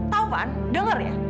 tahu kan dengar ya